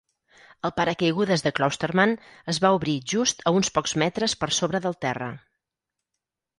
El paracaigudes de Clostermann es va obrir just a uns pocs metres per sobre del terra.